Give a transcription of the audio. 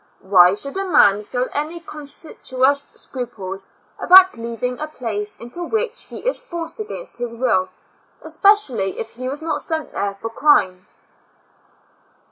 Why should a man feel any conscientious scruples about leaving a place into which he is forced against his will, especially if he was not sent there for crime